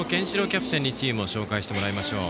キャプテンにチームを紹介してもらいましょう。